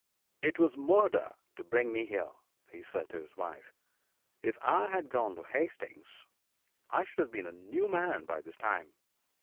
'It was murder to bring me here,' he said to his wife. 'If I had gone to Hastings I should have been a new man by this time.